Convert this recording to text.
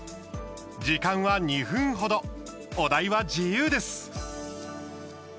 時間は２分程、お題は自由です。